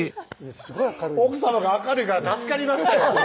奥さまが明るいから助かりましたよ